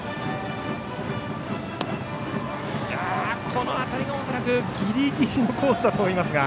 この辺りは、恐らくギリギリのコースだと思いますが。